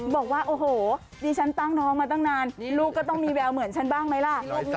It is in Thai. บอกว่าโอ้โหดิฉันตั้งท้องมาตั้งนานลูกก็ต้องมีแววเหมือนฉันบ้างไหมล่ะ